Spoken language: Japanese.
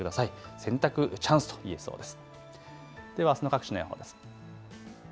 洗濯チャンスと言えそうです。